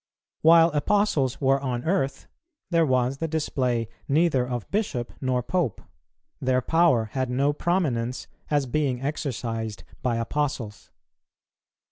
While Apostles were on earth, there was the display neither of Bishop nor Pope; their power had no prominence, as being exercised by Apostles.